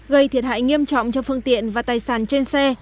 gây thiệt hại nghiêm trọng cho phương tiện và tài sản trên xe